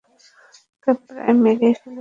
আমাকে প্রায় মেরেই ফেলেছিলে!